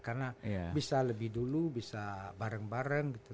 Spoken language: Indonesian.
karena bisa lebih dulu bisa bareng bareng gitu